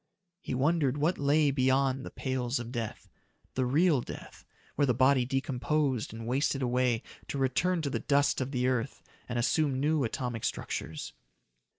He wondered what lay beyond the pales of death the real death, where the body decomposed and wasted away to return to the dust of the earth and assume new atomic structures.